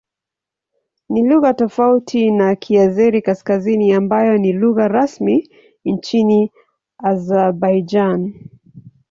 Ni lugha tofauti na Kiazeri-Kaskazini ambayo ni lugha rasmi nchini Azerbaijan.